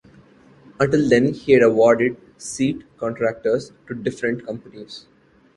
Until then he had awarded "seat" contracts to different companies.